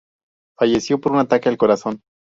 Falleció por un ataque al corazón.